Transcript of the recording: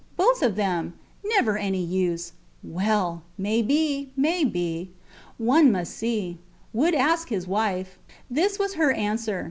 Both of them. ... Never any use! ... Well! May be, may be. One must see. Would ask his wife. This was her answer.